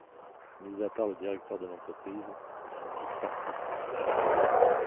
Mis à part le directeur de l’entreprise, ils sont tous partis.